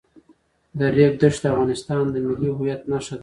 د ریګ دښتې د افغانستان د ملي هویت نښه ده.